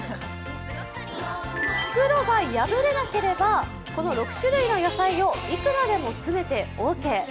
袋が破れなければこの６種類の野菜をいくらでも詰めてオーケー。